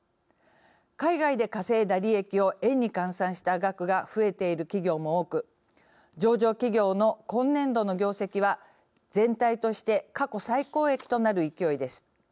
海外で稼いだ利益を円に換算した額が増えている企業も多く上場企業の今年度の業績は全体として過去最高益となる勢いです。